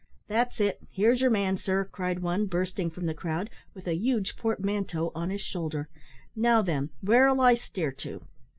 "That's it; here's your man, sir," cried one, bursting from the crowd with a huge portmanteau on his shoulder. "Now, then, where'll I steer to?"